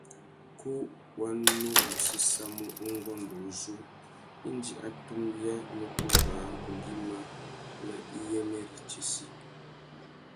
Kú wa nu mù séssamú ungôndô uzu indi a tumbia nutu râā ngüimá nà iyênêritsessi.